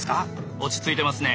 落ち着いてますね。